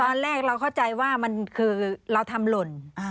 ตอนแรกเราเข้าใจว่ามันคือเราทำหล่น